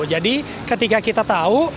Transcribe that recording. jadi ketika kita tahu